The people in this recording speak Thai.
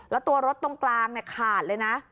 แล้วตัวรถตรงกลางขาดเลยนะ